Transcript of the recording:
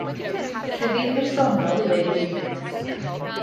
Rhyddid personol yw ei freuddwyd.